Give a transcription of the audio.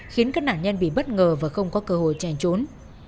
khiến các nạn nhân bị bất ngờ và không có cơ hội trành trốn